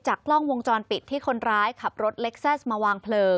กล้องวงจรปิดที่คนร้ายขับรถเล็กแซสมาวางเผลอ